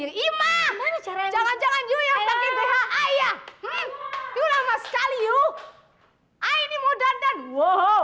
ini mau dandan waheww